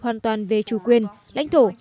hoàn toàn về chủ quyền lãnh thổ